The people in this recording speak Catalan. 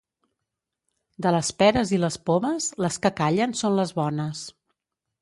De les peres i les pomes, les que callen són les bones.